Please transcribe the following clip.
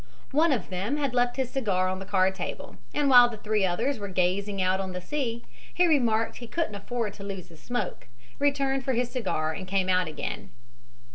One of them had left his cigar on the card table, and while the three others were gazing out on the sea he remarked that he couldn't afford to lose his smoke, returned for his cigar and came out again.